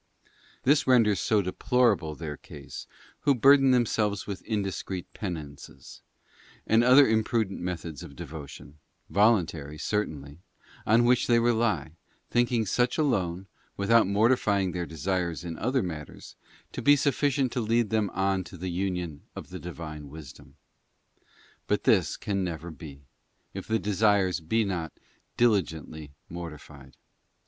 This renders so deplorable their case who burden them selves with indiscreet penances, and other imprudent methods * S. Matt. xv. 14. T Ps. lvii. 9. SELF RESTRAINT NECESSARY FOR PERFECTION. 31 of devotion—voluntary certainly—on which they rely, thinking such alone, without mortifying their desires in other matters, to be sufficient to lead them on to the union of the Divine 'Wisdom. But this can never be, if the desires be not dili gently mortified.